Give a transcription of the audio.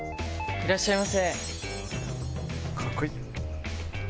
いらっしゃいませ。